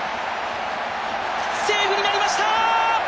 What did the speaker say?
セーフになりました！